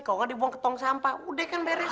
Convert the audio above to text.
kalo gak dibuang ke tong sampah udah kan beres